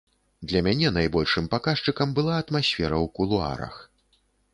Для мяне найбольшым паказчыкам была атмасфера ў кулуарах.